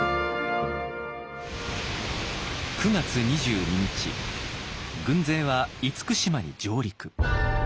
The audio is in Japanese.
９月２２日軍勢は厳島に上陸。